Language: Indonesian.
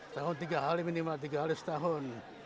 tahun tiga kali minimal tiga kali setahun